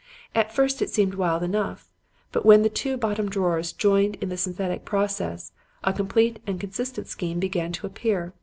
At first it seemed wild enough; but when the two bottom drawers joined in the synthetic process, a complete and consistent scheme began to appear.